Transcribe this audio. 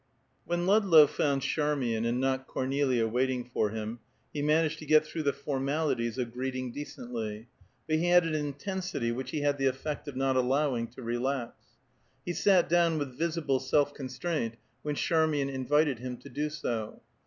When Ludlow found Charmian and not Cornelia waiting for him, he managed to get through the formalities of greeting decently, but he had an intensity which he had the effect of not allowing to relax. He sat down with visible self constraint when Charmian invited him to do so.